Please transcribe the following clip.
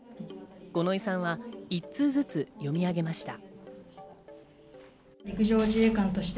五ノ井さんは１通ずつ読み上げました。